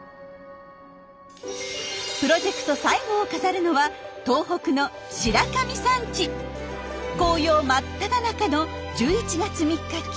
プロジェクト最後を飾るのは東北の紅葉真っただ中の１１月３日金曜午後２時。